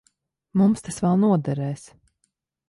Mums tas vēl noderēs.